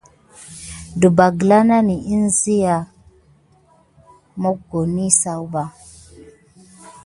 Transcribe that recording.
Ɗəɓɑ gla nami siya mokoni sakuba.